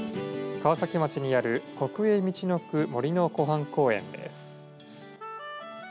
川崎町にある国営みちのく杜の湖畔公園です。